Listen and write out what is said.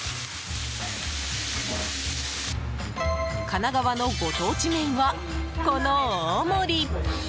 神奈川のご当地麺はこの大盛り！